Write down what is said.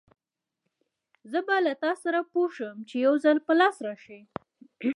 زه به له تاسره پوه شم، چې يوځل په لاس راشې!